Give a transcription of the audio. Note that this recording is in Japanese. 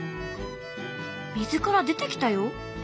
水から出てきたよ。